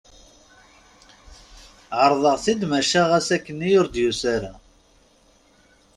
Ɛerḍeɣ-t-id maca ɣas akken, ur d-yusa ara.